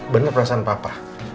bener perasaan papa